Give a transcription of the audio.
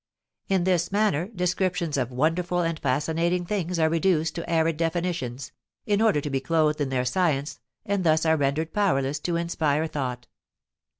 In this manner descriptions of wonderful and fascinating things are reduced to arid definitions, in order to be clothed in their science, and thus are rendered powerless to inspire thought.